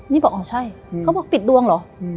นี่บอกอ๋อใช่เขาบอกปิดดวงเหรอ